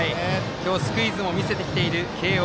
今日スクイズも見せてきている慶応。